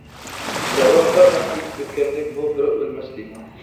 دەرۋەقە، مەن ئېيتىپ ئۆتكەندەك بۇ بىر ئۆلمەس تېما.